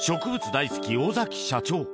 大好き尾崎社長